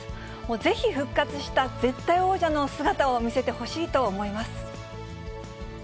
ぜひ、復活した絶対王者の姿を見せてほしいと思います。